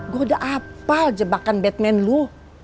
gua udah apal jebakan batman lu